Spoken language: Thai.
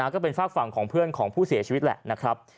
ก็เป็นฝากฝั่งของเพื่อนของผู้เสียชีวิตแหละนะครับ